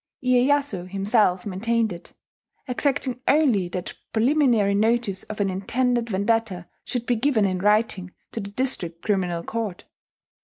Iyeyasu himself maintained it exacting only that preliminary notice of an intended vendetta should be given in writing to the district criminal court.